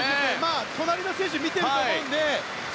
隣の選手を見ていると思うので。